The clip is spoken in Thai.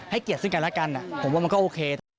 ให้เกียรติสิทธิ์กันแล้วกันผมว่ามันก็โอเค